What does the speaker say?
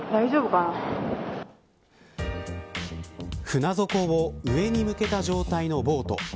船底を上に向けた状態のボート。